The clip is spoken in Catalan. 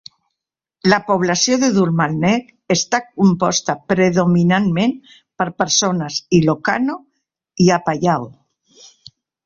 La població de Dumalneg està composta predominantment per persones ilocano i apayao.